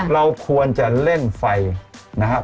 เราควรจะเล่นไฟนะครับ